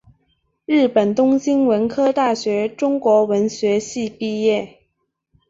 日本东京文科大学中国文学系毕业。